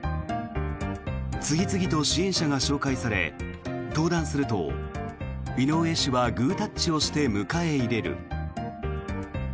次々と支援者が紹介され登壇すると井上氏はグータッチをして迎え入れる。